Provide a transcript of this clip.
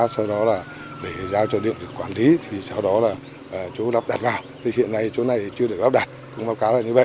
sau đó là để giao cho điện được quản lý thì sau đó là chỗ đắp đặt vào thì hiện nay chỗ này chưa được đắp đặt cũng báo cáo là như vậy